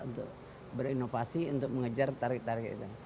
untuk berinovasi untuk mengejar target target itu